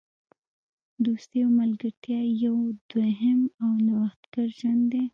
دوستي او ملګرتیا یو دوهم او نوښتګر ژوند دی.